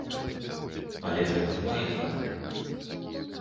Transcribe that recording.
Але гэта ж вайна.